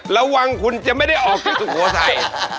ระวังคุณจะไม่ได้ออกจากสุโขทัย